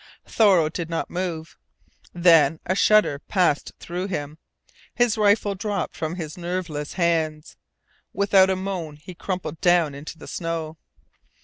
Thoreau did not move. Then a shudder passed through him. His rifle dropped from his nerveless hands. Without a moan he crumpled down into the snow.